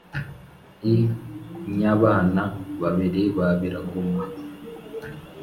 i nyabana babiri ba biraguma